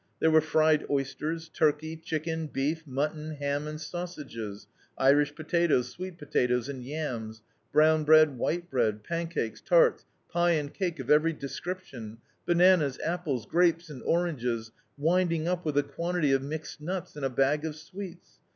There were fried oysters, turkey, chicken, beef, mutton, ham and sausages; Irish potatoes, sweet potatoes and yams; brown bread, white bread; pancakes, tarts, pie and cake of every description; bananas, apples, grapes and oranges; winding up with a quantity of mixed nuts and a bag of sweets.